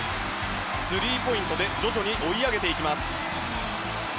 スリーポイントで徐々に追い上げていきます。